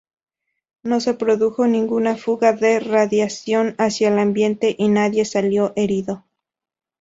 No se produjo ninguna fuga de radiación hacia el ambiente y nadie salió herido.